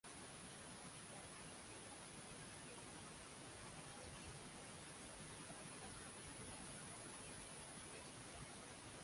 উত্তরবঙ্গের বিভিন্ন উন্নয়ন লক্ষ্যমাত্রা অর্জনের জন্য তিনি প্রতিষ্ঠা করেছেন নর্থ বেঙ্গল ডেভেলপমেন্ট ফোরাম।